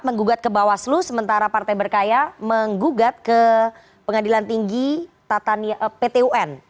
menggugat ke bawaslu sementara partai berkarya menggugat ke pengadilan tinggi pt un